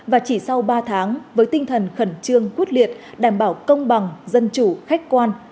và chỉ sau ba tháng với tinh thần khẩn trương quyết liệt đảm bảo công bằng dân chủ khách quan